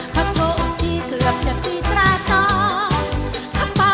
ขอโชคดีครับ